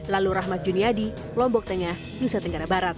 lalu rahmat juniadi lombok tengah nusa tenggara barat